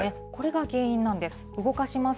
これが原因なんです。